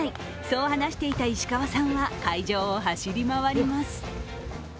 そう話していた石川さんは、会場を走り回ります。